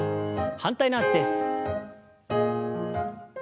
反対の脚です。